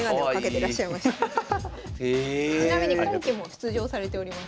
ちなみに今期も出場されております。